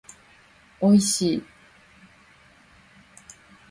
おいしい